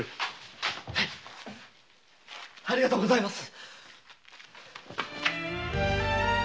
ありがとうございます！